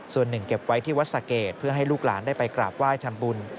ส่วนหนึ่งเก็บไว้ที่วัดสะเกดเพื่อให้ลูกหลานได้ไปกราบไหว้ทำบุญ